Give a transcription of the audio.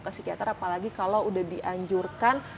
ke psikiater apalagi kalau udah dianjurkan